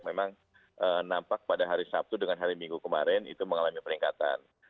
memang nampak pada hari sabtu dengan hari minggu kemarin itu mengalami peningkatan